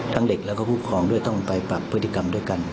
ทั้งเด็กและผู้ประคองด้วยต้องไปปรับพฤติกรรมด้วยกัน